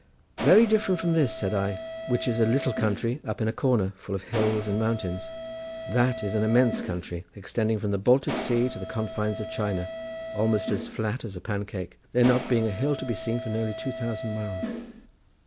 "Very different from this," said I, "which is a little country up in a corner, full of hills and mountains; that is an immense country, extending from the Baltic Sea to the confines of China, almost as flat as a pancake, there not being a hill to be seen for nearly two thousand miles."